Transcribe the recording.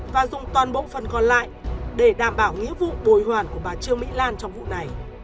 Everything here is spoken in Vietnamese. và dùng toàn bộ phần còn lại để đảm bảo nghĩa vụ bồi hoàn của bà trương mỹ lan trong vụ này